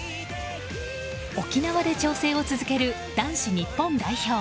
沖縄で調整を続ける男子日本代表。